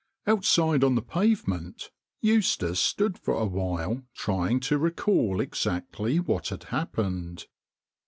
Outside on the pavement Eustace stood for a while trying to recall exactly what had happened.